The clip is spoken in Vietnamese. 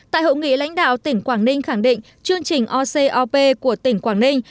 tại hội nghị lãnh đạo tỉnh quảng ninh khẳng định chương trình ocop của tỉnh quảng ninh